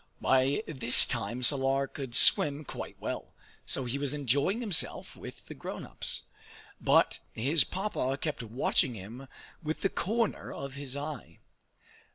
By this time Salar could swim quite well; so he was enjoying himself with the grown ups. But his Papa kept watching him with the corner of his eye.